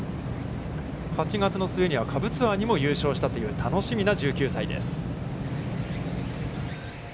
８月の末には下部ツアーにも優勝したという楽しみな１９歳です。